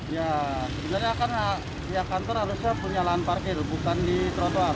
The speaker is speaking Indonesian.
ya sebenarnya kan pihak kantor harusnya punya lahan parkir bukan di trotoar